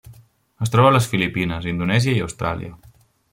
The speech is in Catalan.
Es troba a les Filipines, Indonèsia i Austràlia.